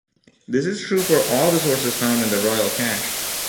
This is true for all the sources found in the Royal Cache.